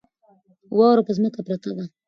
واوره په ځمکه پرته ده.